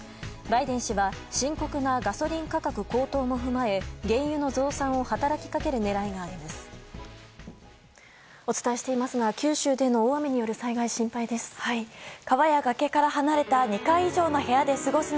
バイデン氏は深刻なガソリン高騰も踏まえ原油の増産を働きかける狙いがあります。